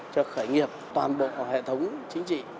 cho khởi nghiệp toàn bộ hệ thống chính trị